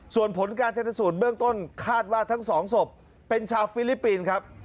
ส่วนผลการชนสูตรเบื้องต้นคาดว่าทั้งสองศพเป็นชาวฟิลิปปินส์ครับ